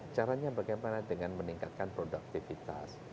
caranya bagaimana dengan meningkatkan produktivitas